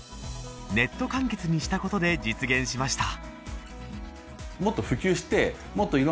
ネット完結にしたことで実現しました